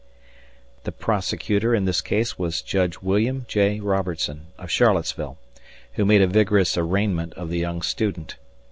The prosecutor in this case was Judge William J. Robertson, of Charlottesville, who made a vigorous arraignment of the young student.